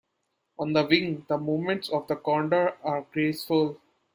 On the wing the movements of the condor are graceful.